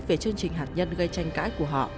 về chương trình hạt nhân gây tranh cãi